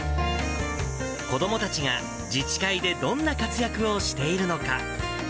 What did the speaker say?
子どもたちが自治会でどんな活躍をしているのか。